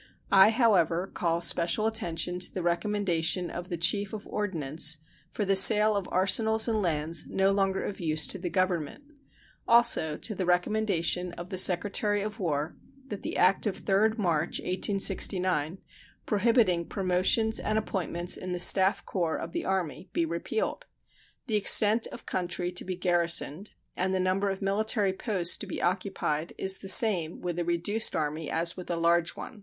I, however, call special attention to the recommendation of the Chief of Ordnance for the sale of arsenals and lands no longer of use to the Government; also, to the recommendation of the Secretary of War that the act of 3d March, 1869, prohibiting promotions and appointments in the staff corps of the Army, be repealed. The extent of country to be garrisoned and the number of military posts to be occupied is the same with a reduced Army as with a large one.